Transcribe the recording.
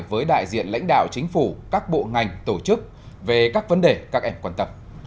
với đại diện lãnh đạo chính phủ các bộ ngành tổ chức về các vấn đề các em quan tâm